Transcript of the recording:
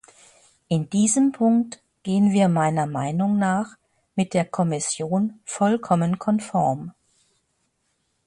In diesem Punkt gehen wir meiner Meinung nach mit der Kommission vollkommen konform.